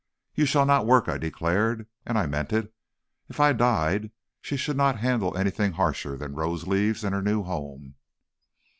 "'You shall not work,' I declared. And I meant it. If I died she should not handle anything harsher than rose leaves in her new home.